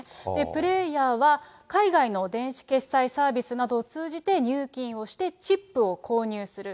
プレーヤーは、海外の電子決済サービスなどを通じて、入金をして、チップを購入する。